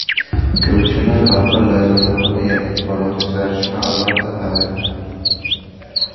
Գրությունները տարբեր լեզուներով են եղել, որոնցից վերջինը արված է հայերեն։